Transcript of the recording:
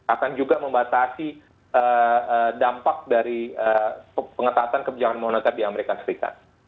akan juga membatasi dampak dari pengetatan kebijakan moneter di amerika serikat